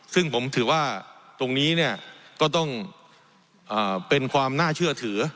ซึ่งผมถือว่าตรงนี้เนี่ยก็ต้องเป็นความน่าเชื่อถือ